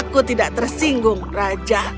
aku tidak tersinggung raja